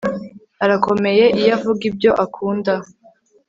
Arakomeye iyo avuga ibyo akunda